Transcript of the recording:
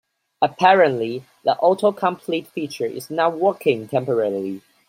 Apparently, the autocomplete feature is not working temporarily.